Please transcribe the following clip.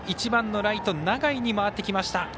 １番のライト永井に回ってきました。